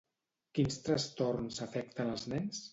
Quins trastorns afecten els nens?